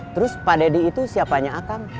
terus pak deddy itu siapanya akang